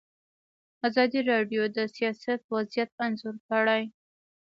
ازادي راډیو د سیاست وضعیت انځور کړی.